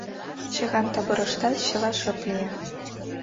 Чыган таборыштат чыла шып лие.